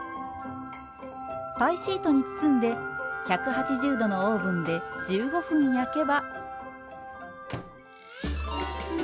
パイシートに包んで１８０℃のオーブンで１５分焼けば。